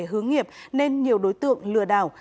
hướng nghiệp nên nhiều đối tượng lừa đảo